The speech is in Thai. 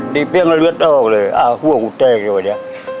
ตีเปี้ยงแล้วเลือดออกเลยอ้าวห่วงเจ๊กันเลยเนี่ย